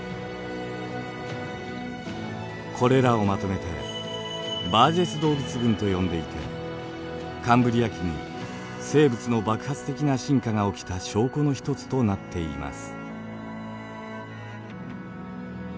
これらをまとめてバージェス動物群と呼んでいてカンブリア紀に生物の爆発的な進化が起きた証拠の一つとなっています。